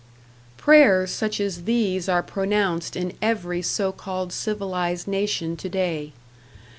Prayers such as these are pronounced in every so called civilized nation today.